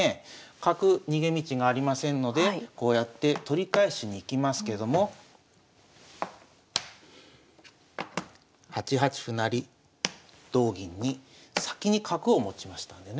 角逃げ道がありませんのでこうやって取り返しに行きますけども８八歩成同銀に先に角を持ちましたんでね